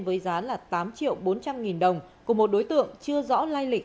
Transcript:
với giá là tám triệu bốn trăm linh nghìn đồng của một đối tượng chưa rõ lai lịch